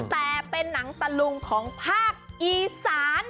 แต่เป็นหนังตะลุงของภาคอีสาน